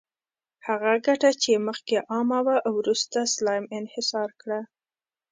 هغه ګټه چې مخکې عامه وه، وروسته سلایم انحصار کړه.